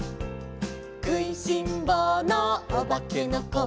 「くいしんぼうのおばけのこ」